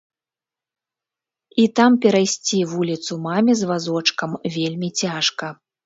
І там перайсці вуліцу маме з вазочкам вельмі цяжка.